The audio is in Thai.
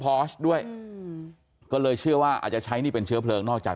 พอสด้วยอืมก็เลยเชื่อว่าอาจจะใช้นี่เป็นเชื้อเพลิงนอกจาก